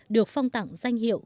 được phong tặng danh hiệu